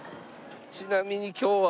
ちなみに今日は。